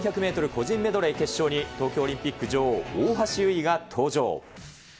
個人メドレー決勝に東京オリンピック女王、大橋悠依が登場。